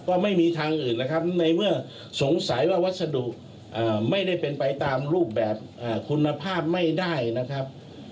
ก็ไม่มีทางอื่นนะครับในเมื่อสงสัยว่าวัสดุไม่ได้เป็นไปตามรูปแบบคุณภาพไม่ได้นะครับ